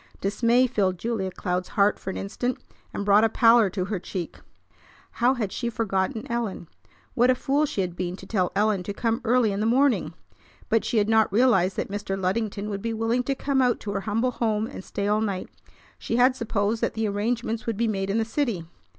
Dismay filled Julia Cloud's heart for an instant, and brought a pallor to her cheek. How had she forgotten Ellen? What a fool she had been to tell Ellen to come early in the morning! But she had not realized that Mr. Luddington would be willing to come out to her humble home and stay all night. She had supposed that the arrangements would be made in the city.